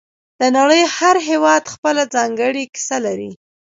د نړۍ هر هېواد خپله ځانګړې کیسه لري